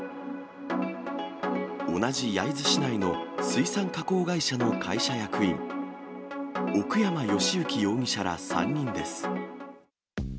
同じ焼津市内の水産加工会社の会社役員、奥山善行容疑者ら３人です。